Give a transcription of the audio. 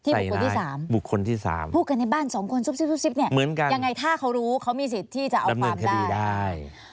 บุคคลที่๓บุคคลที่๓พูดกันในบ้านสองคนซุบซิบเนี่ยยังไงถ้าเขารู้เขามีสิทธิ์ที่จะเอาความได้ได้